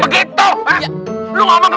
jadi pengopening gua